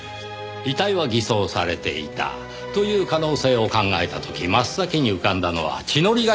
遺体は偽装されていたという可能性を考えた時真っ先に浮かんだのは血のりが必要だという事でした。